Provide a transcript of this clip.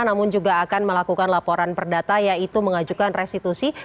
namun juga akan melakukan laporan perdata yaitu mengajukan restitusi